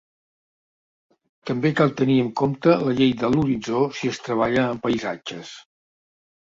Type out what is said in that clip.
També cal tenir en compte la llei de l'horitzó si es treballa amb paisatges.